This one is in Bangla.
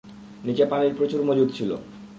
নিচে পানির প্রচুর মজুদ ছিল।